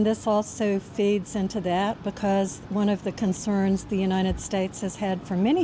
เพราะอีกหนึ่งของปัจจุที่ที่อเมริกาเค้าสร้าง